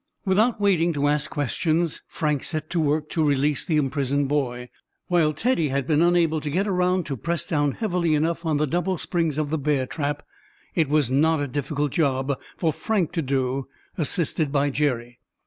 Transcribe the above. Without waiting to ask questions, Frank set to work to release the imprisoned boy. While Teddy had been unable to get around to press down heavily enough on the double springs of the bear trap, it was not a difficult job for Frank to do, assisted by Jerry.